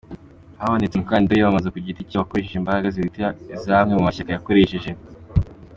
Habonetse Umukandida wiyamamaza ku giti cye wakoresheje imbaraga ziruta iz’amwe mu mashyaka yakoresheje .